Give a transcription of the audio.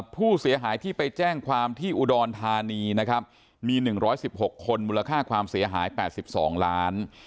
ผู้เสียหายที่ไปแจ้งความที่อุดรธานีนะครับมี๑๑๖คนมูลค่าความเสียหาย๘๒ล้าน